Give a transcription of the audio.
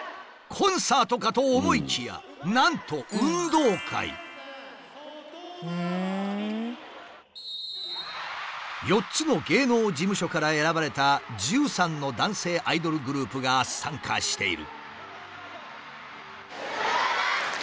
コンサートかと思いきやなんと４つの芸能事務所から選ばれた１３の男性アイドルグループが参加している。